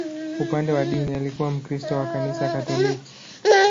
Upande wa dini, alikuwa Mkristo wa Kanisa Katoliki.